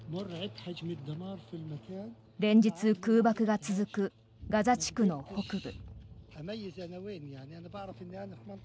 連日、空爆が続くガザ地区の北部。